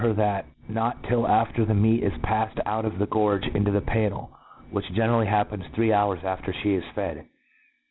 her that not tiU after the meat is all paffed out of the gorge into the pannel, which generally hap pens three hours after fte is fed.